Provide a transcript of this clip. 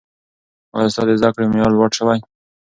ایا ستا د زده کړې معیار لوړ سوی؟